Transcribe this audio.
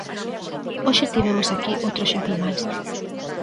Hoxe tivemos aquí outro exemplo máis.